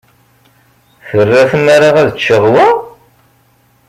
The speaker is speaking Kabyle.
Terra tmara ad ččeɣ wa?